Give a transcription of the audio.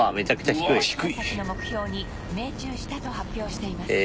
１００キロ先の目標に命中したと発表しています